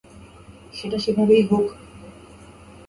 সেটা সেভাবেই হোক।